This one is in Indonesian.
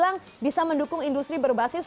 apa yang terjadi